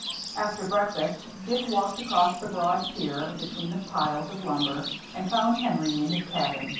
After breakfast Dick walked across the broad pier between the piles of lumber, and found Henry in his cabin.